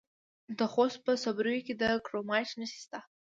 د خوست په صبریو کې د کرومایټ نښې شته.